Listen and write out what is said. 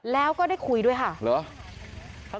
แล้วก็ได้คุยด้วยค่ะ